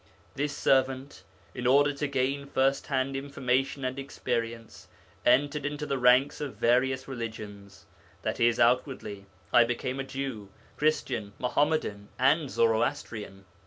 'This servant, in order to gain first hand information and experience, entered into the ranks of various religions; that is, outwardly I became a Jew, Christian, Mohammedan, and Zoroastrian.